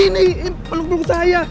ini peluk peluk saya